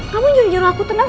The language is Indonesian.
kamu nyuruh nyuruh aku tenang